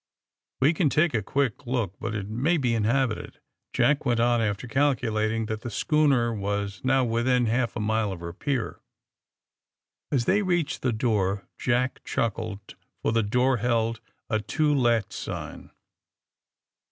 '^We can take a qnick look, bnt it may be in habited," Jack went on, after calculating that the schooner was now within half a mile of her X3ier. As they reached the door Jack chuckled, for the door held a ^^ to let" sign.